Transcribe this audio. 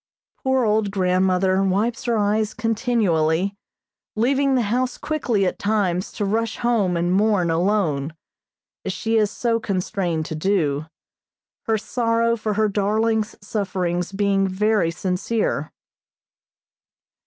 Poor old grandmother wipes her eyes continually, leaving the house quickly at times to rush home and mourn alone, as she is so constrained to do, her sorrow for her darling's sufferings being very sincere.